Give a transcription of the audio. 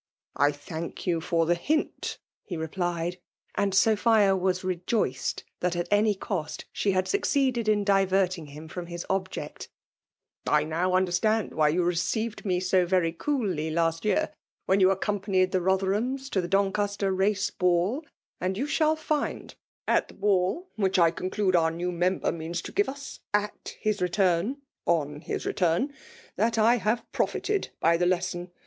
"I thank you for the hint!*' he replied ; and Sophia was rejoiced that at any cost she had •oeceeded in diverting him from his object. 30C KBKkl.^ DOlflKiltttXf. <^I now understagnd yfby your ree^ved in^M veiy cooUy last year> when you aecotripanieif the Rotherhains to the Doncaster Raoo ball $^ and you: shall find (at the ball mhioh I con clude our new Member meattf to gi^re us a^his^ return on his return^) that i have profited' bjT Ae lesson.